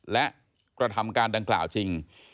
และกระทำการดังกล่าวจริง